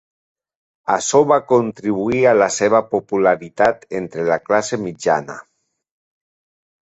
Açò va contribuir a la seva popularitat entre la classe mitjana.